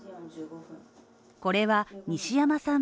これは西山さん